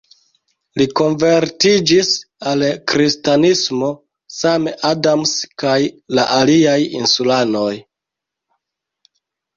Li konvertiĝis al kristanismo, same Adams kaj la aliaj insulanoj.